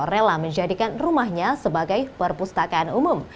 rela menjadikan rumahnya sebagai perpustakaan umum